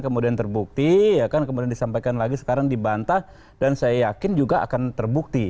kemudian terbukti ya kan kemudian disampaikan lagi sekarang dibantah dan saya yakin juga akan terbukti